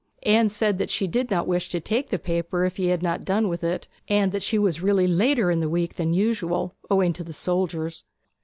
Anne said that she did not wish to take the paper if he had not done with it, and that she was really later in the week than usual, owing to the soldiers.